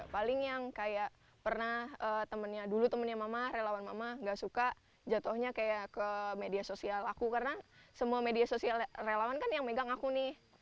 paling yang kayak pernah temennya dulu temennya mama relawan mama gak suka jatuhnya kayak ke media sosial aku karena semua media sosial relawan kan yang megang aku nih